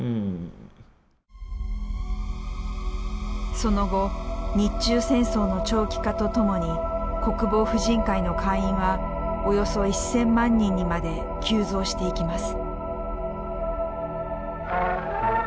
その後日中戦争の長期化とともに国防婦人会の会員はおよそ１，０００万人にまで急増していきます。